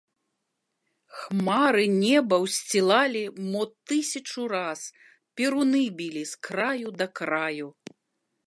Хмары неба ўсцілалі мо тысячу раз, перуны білі з краю да краю.